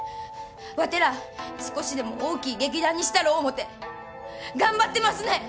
ワテら少しでも大きい劇団にしたろ思うて頑張ってますねん！